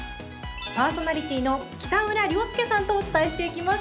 パーソナリティーの北村玲亮さんとお伝えしていきます。